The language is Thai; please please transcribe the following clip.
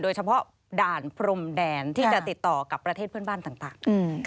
ด่านพรมแดนที่จะติดต่อกับประเทศเพื่อนบ้านต่าง